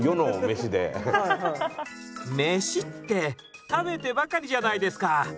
飯って食べてばかりじゃないですか！